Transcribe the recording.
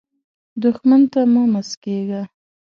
دښمن ته مه مسکېږه